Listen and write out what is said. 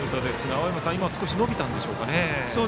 青山さん、今少し伸びたんでしょうか。